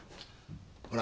ほら